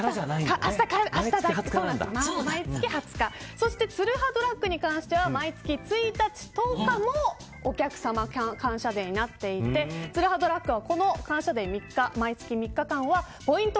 そしてツルハドラッグに関しては毎月１日、１０日もお客様感謝デーになっていてツルハドラッグはこの毎月３日間はポイント